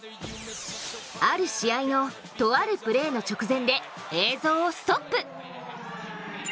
ある試合の、とあるプレーの直前で映像をストップ。